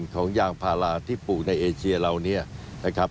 ของยางพาราที่ปลูกในเอเชียเราเนี่ยนะครับ